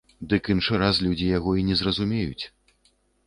Дык іншы раз людзі яго і не зразумеюць.